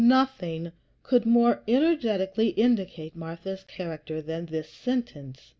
Nothing could more energetically indicate Martha's character than this sentence.